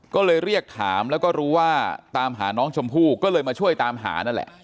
ก็เลยเรียกถามแล้วก็รู้ว่าตามหาน้องชมพู่ก็เลยมาช่วยตามหานั่นแหละ